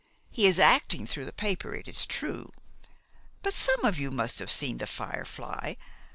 He is acting through the paper, it is true. But some of you must have seen 'The Firefly.'